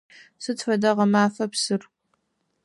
Сыд фэда гъэмафэм псыр?